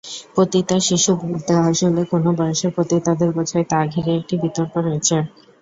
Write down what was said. পতিতা শিশু বলতে আসলে কোন বয়সের পতিতাদের বোঝায় তা ঘিরে একটি বিতর্ক রয়েছে।